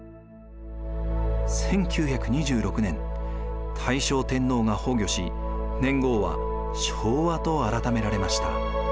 １９２６年大正天皇が崩御し年号は「昭和」と改められました。